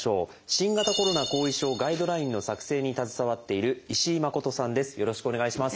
新型コロナ後遺症ガイドラインの作成に携わっているよろしくお願いします。